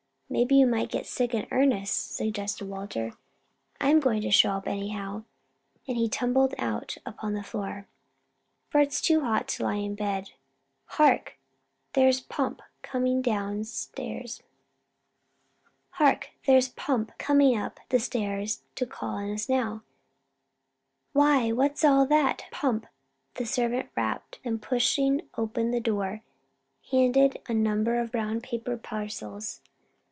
"Maybe you might get sick in earnest," suggested Walter. "I'm going to get up anyhow," and he tumbled out upon the floor, "for it's too hot to lie in bed. Hark! there's Pomp coming up the stairs to call us now. Why, what's all that, Pomp?" as the servant rapped, then pushing open the door, handed in a number of brown paper parcels.